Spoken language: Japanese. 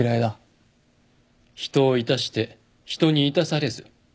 人を致して人に致されず。